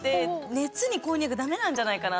熱に、こんにゃくダメなんじゃないかなと。